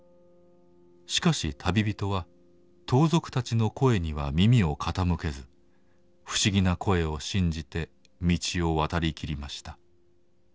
しかし旅人は盗賊たちの声には耳を傾けず不思議な声を信じて道を渡りきりました。